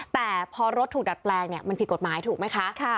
แต่พอรถถูกดัดแปลงเนี่ยมันผิดกฎหมายถูกไหมคะ